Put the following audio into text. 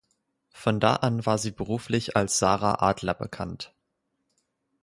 Von da an war sie beruflich als Sara Adler bekannt.